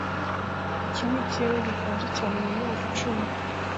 Iki nikirere gikonje cyane mumyaka icumi